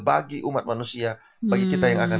bagi umat manusia bagi kita yang akan